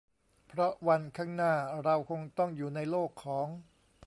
เพราะวันข้างหน้าเราคงต้องอยู่ในโลกของ